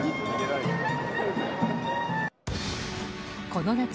この夏